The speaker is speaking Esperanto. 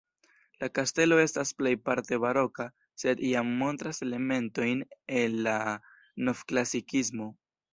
La kastelo estas plejparte baroka, sed jam montras elementojn el la novklasikismo.